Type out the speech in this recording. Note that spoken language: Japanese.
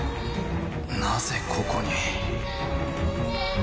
なぜここに？